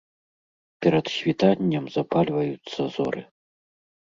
Перад світаннем запальваюцца зоры.